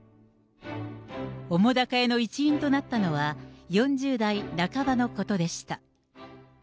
澤瀉屋の一員となったのは、４０代半ばのことでした。